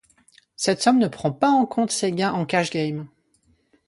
Cette somme ne prend pas en compte ses gains en Cash game.